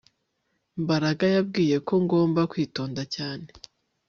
Mbaraga yambwiye ko ngomba kwitonda cyane